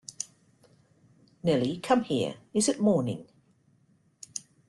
Nelly, come here — is it morning?